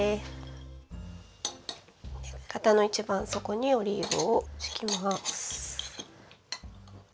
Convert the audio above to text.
型の一番底にオリーブを敷きます。